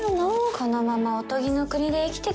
このままおとぎの国で生きててほしいよ。